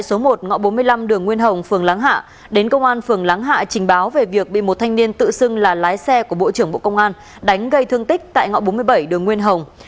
số một ngõ bốn mươi năm đường nguyên hồng phường láng hạ đến công an phường lắng hạ trình báo về việc bị một thanh niên tự xưng là lái xe của bộ trưởng bộ công an đánh gây thương tích tại ngõ bốn mươi bảy đường nguyên hồng